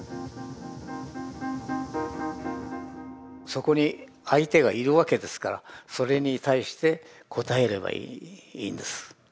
そこに相手がいるわけですからそれに対して応えればいいんです。